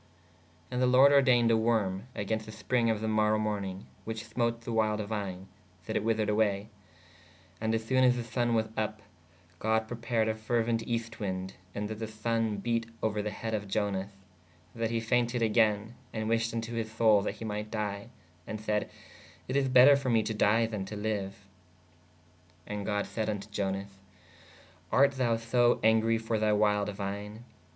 ¶ And the lorde ordeyned a worme agenst the springe of [the] morow mornīge which smote the wild vine/ that it wethered awaye. And assone as the sonne was vpp/ God prepared a feruent eest winde: so that [the] sonne bete ouer the heed of Ionas/ that he fainted agayne ād wished vn to hys soule that he might dye/ and sayd/ it is better for me to dye then to liue. ¶ And god sayd vn to Ionas/ art thou so angre for thy wild vine?